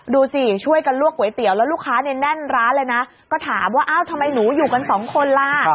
ดูสิช่วยกันลวกก๋วยเตี๋ยวแล้วลูกค้าเนี่ยแน่นร้านเลยนะก็ถามว่าอ้าวทำไมหนูอยู่กันสองคนล่ะ